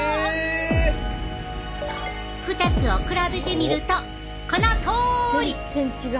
２つを比べてみるとこのとおり！全然違う。